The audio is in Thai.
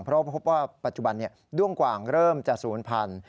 เพราะว่าปัจจุบันนี่ด้วงกว่างเริ่มจะสูญพันธ์